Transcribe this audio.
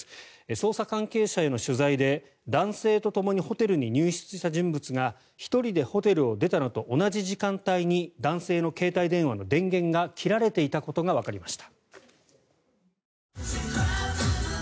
捜査関係者への取材で男性とともにホテルに入室した人物が１人でホテルを出たのと同じ時間帯に男性の携帯電話の電源が切られていたことがわかりました。